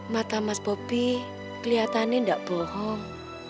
mata mas bobi kelihatannya tidak bohong